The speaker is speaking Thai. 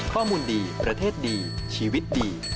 ข้อมูลดีประเทศดีชีวิตดี